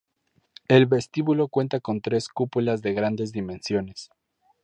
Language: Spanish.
El vestíbulo cuenta con tres cúpulas de grandes dimensiones.